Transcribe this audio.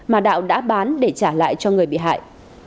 mà đạo đã bán để trả lại cho người bị hại